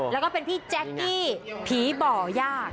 แล้วก็เป็นพี่แจ๊กกี้ผีบ่อยาก